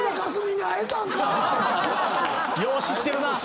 よう知ってるな！